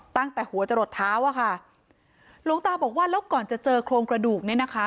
ตั้งแต่หัวจะหลดเท้าอะค่ะหลวงตาบอกว่าแล้วก่อนจะเจอโครงกระดูกเนี่ยนะคะ